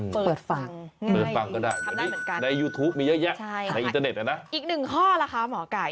เปิดฟังง่ายดีทำได้เหมือนกันใช่ค่ะอีกหนึ่งข้อล่ะค่ะหมอไก่